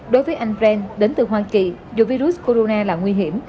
đối với anh brent đến từ hoa kỳ dù virus corona là nguy hiểm